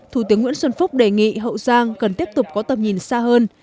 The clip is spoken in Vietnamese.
thủ tướng nguyễn xuân phúc đề nghị hậu giang cần tiếp tục có tầm nhìn xa hơn